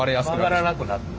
曲がらなくなって。